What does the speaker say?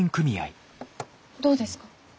どうですか？